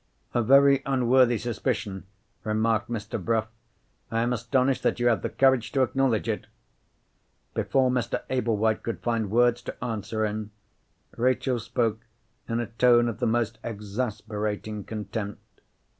"A very unworthy suspicion," remarked Mr. Bruff. "I am astonished that you have the courage to acknowledge it." Before Mr. Ablewhite could find words to answer in, Rachel spoke in a tone of the most exasperating contempt.